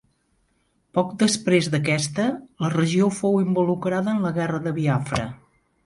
Poc després d'aquesta, la regió fou involucrada en la Guerra de Biafra.